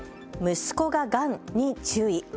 息子ががんに注意。